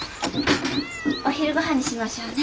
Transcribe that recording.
お昼ごはんにしましょうね。